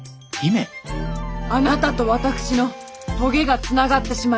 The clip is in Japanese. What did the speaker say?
あなたと私の棘がつながってしまいました。